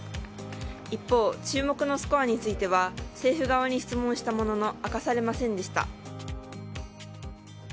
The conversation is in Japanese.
一方、注目のスコアについては政府側に質問したものの明かされませんでした。